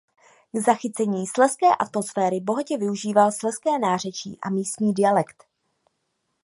K zachycení slezské atmosféry bohatě využíval Slezské nářečí a místní dialekt.